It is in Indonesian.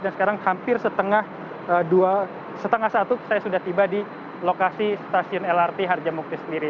dan sekarang hampir setengah satu saya sudah tiba di lokasi stasiun lrt harjamukhi sendiri